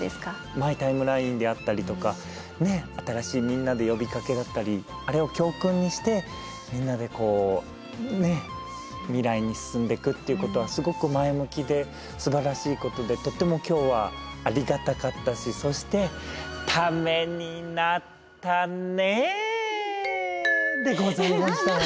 マイ・タイムラインであったりとか新しいみんなで呼びかけだったりあれを教訓にしてみんなでこう未来に進んでいくっていうことはすごく前向きですばらしいことでとっても今日はありがたかったしそして「ためになったねえ！」でございました。